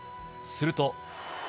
すると。